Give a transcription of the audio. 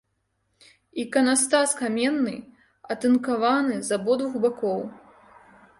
Іканастас каменны, атынкаваны з абодвух бакоў.